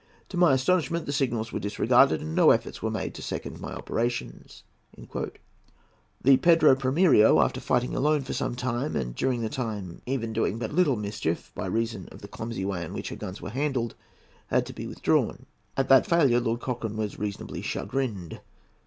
To my astonishment, the signals were disregarded, and no efforts were made to second my operations." The Pedro Primiero, after fighting alone for some time, and during that time even doing but little mischief, by reason of the clumsy way in which her guns were handled, had to be withdrawn. At that failure Lord Cochrane was reasonably chagrined.